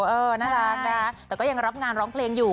เออน่ารักนะแต่ก็ยังรับงานร้องเพลงอยู่